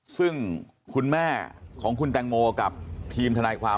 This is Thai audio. ซึ่งคุณแม่ของคุณแตงโมกับทีมทนายความ